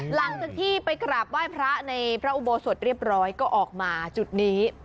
หลังจากที่ไปกราบไหว้พระในพระอุโบสถเรียบร้อยก็ออกมาจุดนี้